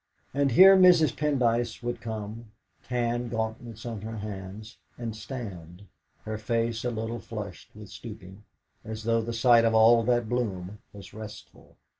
And here Mrs. Pendyce would come, tan gauntlets on her hands, and stand, her face a little flushed with stooping, as though the sight of all that bloom was restful.